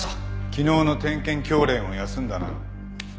昨日の点検教練を休んだな。